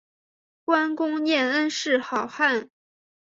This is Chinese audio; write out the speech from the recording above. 观功念恩是好汉